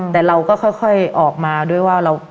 แต่เราก็ค่อยออกมาด้วยว่า